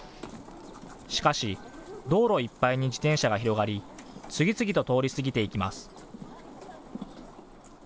しかし、道路いっぱいに自転車が広がり次々と通り過ぎていきます。